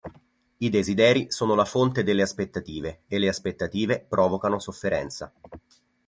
I desideri sono la fonte delle aspettative e le aspettative provocano sofferenza.